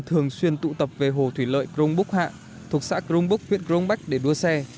thường xuyên tụ tập về hồ thủy lợi cronbuck hạ thuộc xã cronbuck huyện cronbach để đua xe